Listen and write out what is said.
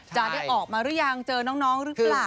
จะได้ออกมาหรือยังเจอน้องหรือเปล่า